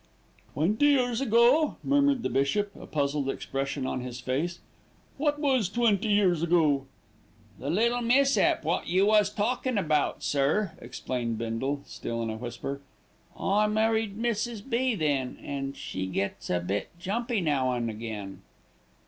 "Twenty years ago!" murmured the bishop, a puzzled expression on his face. "What was twenty years ago?" "The little mis'ap wot you was talkin' about, sir," explained Bindle, still in a whisper. "I married Mrs. B. then, an' she gets a bit jumpy now and again."